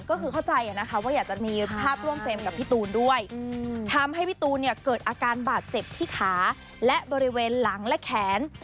ก็คือเข้าใจนะคะว่าอยากจะมีภาพร่วมเฟรมกับพี่ตูนด้วยทำให้พี่ตูนเนี่ยเกิดอาการบาดเจ็บที่ขาและบริเวณหลังและแขน